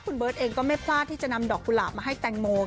คุณเบิร์ตเองก็ไม่พลาดที่จะนำดอกกุหลาบมาให้แตงโมค่ะ